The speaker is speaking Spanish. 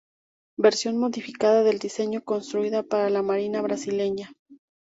Versión modificada del diseño construida para la marina Brasileña.